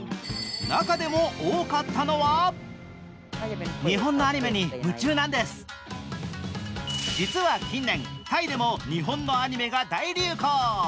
中でも多かったのは実は近年、タイでも日本のアニメが大流行。